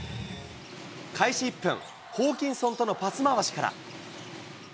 開始１分、ホーキンソンとのパス回しから。